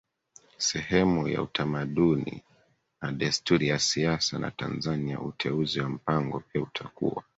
sehemu ya utamaduni na desturi ya siasa za TanzaniaUteuzi wa Mpango pia utakuwa